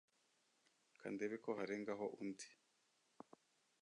kandebe ko harengaho undi